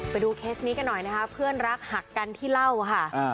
เคสนี้กันหน่อยนะคะเพื่อนรักหักกันที่เล่าค่ะ